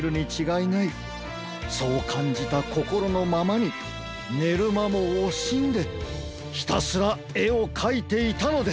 そうかんじたこころのままにねるまもおしんでひたすらえをかいていたのです！